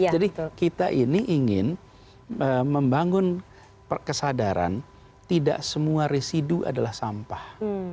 jadi kita ini ingin membangun kesadaran tidak semua residu adalah sampah